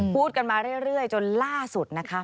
พูดกันมาเรื่อยจนล่าสุดนะคะ